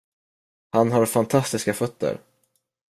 Han har fantastiska fötter.